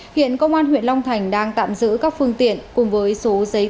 hiện công an huyện long thành đang tạm giữ các phương tiện cùng với số giấy tờ xe nói trên